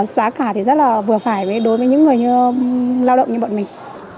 giá cả thì rất là vừa phải đối với những người như lao động như bọn mình